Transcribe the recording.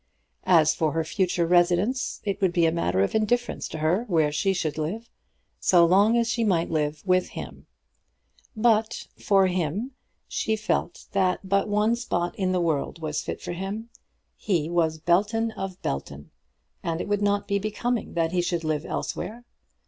As for her future residence, it would be a matter of indifference to her where she should live, so long as she might live with him; but for him, she felt that but one spot in the world was fit for him. He was Belton of Belton, and it would not be becoming that he should live elsewhere.